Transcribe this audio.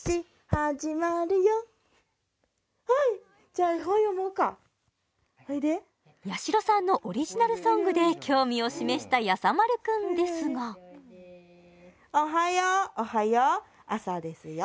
あかわいいはいじゃあ絵本読もうかおいでやしろさんのオリジナルソングで興味を示したやさ丸くんですが「おはよう！おはよう！あさですよ」